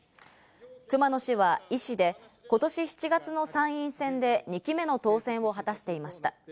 熊野氏は医師で、今年７月の参院選で２期目の当選を果たしていました。